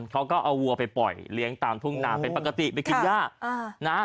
เขาก็เอาวัวไปปล่อยเลี้ยงตามทุ่งนาเป็นปกติไปกินย่านะ